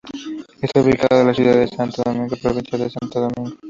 Está ubicado en la ciudad de Santo Domingo, provincia de Santo Domingo.